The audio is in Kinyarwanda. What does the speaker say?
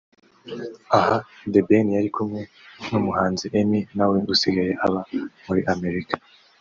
Aha The Ben yari kumwe n'umuhanzi Emmy nawe usigaye aba muri Amerika